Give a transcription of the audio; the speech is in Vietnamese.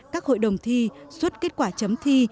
các hội đồng thi xuất kết quả chấm thi